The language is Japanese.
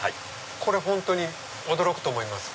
これ本当に驚くと思います